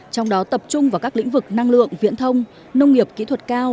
trong đó tập trung vào các lĩnh vực năng lượng viễn thông nông nghiệp kỹ thuật cao